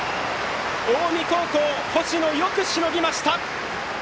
近江高校、星野よくしのぎました！